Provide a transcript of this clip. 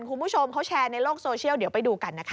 คุณผู้ชมเขาแชร์ในโลกโซเชียลเดี๋ยวไปดูกันนะคะ